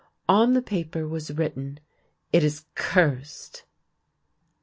On the paper was written, " It is cursed."